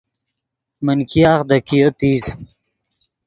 من ګیاغ دے کئیو تیز